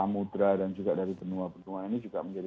muda dan juga dari benua benua ini juga menjadi